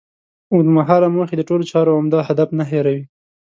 اوږد مهاله موخې د ټولو چارو عمده هدف نه هېروي.